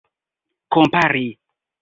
kompari